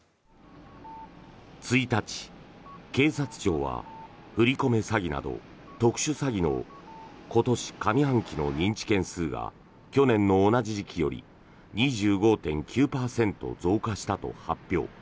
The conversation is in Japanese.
１日、警察庁は振り込め詐欺など特殊詐欺の今年上半期の認知件数が去年の同じ時期より２５．９％増加したと発表。